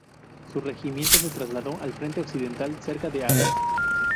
Su regimiento se trasladó al Frente Occidental cerca de Arrás.